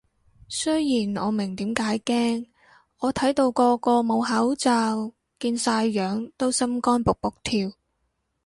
雖然我明點解驚，我睇到個個冇口罩見晒樣都心肝卜卜跳